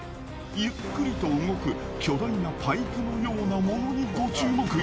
ゆっくりと動く巨大なパイプのようなものにご注目。